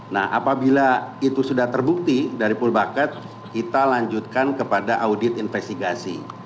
nah apabila itu sudah terbukti dari pull bucket kita lanjutkan kepada audit investigasi